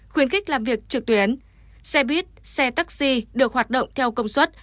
khuyến khích làm việc trực tuyến xe buýt xe taxi được hoạt động theo công suất